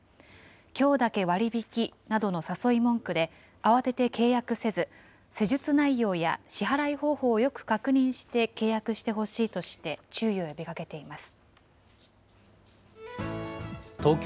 きょうだけ割引などの誘い文句で、慌てて契約せず、施術内容や支払い方法をよく確認して、契約してほしいとして注意を呼びかけています。